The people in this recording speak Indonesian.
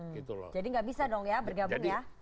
jadi tidak bisa dong ya bergabung ya